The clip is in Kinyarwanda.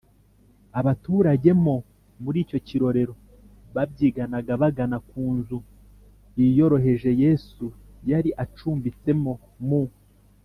abaturage mo muri icyo kirorero babyiganaga bagana ku nzu yiyoroheje yesu yari acumbitsemo mu